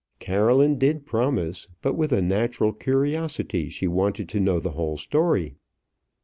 Caroline did promise; but with a natural curiosity she wanted to know the whole story.